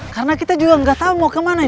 karena kita juga gak tau mau kemana nih